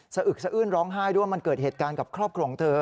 อึกสะอื้นร้องไห้ด้วยว่ามันเกิดเหตุการณ์กับครอบครัวของเธอ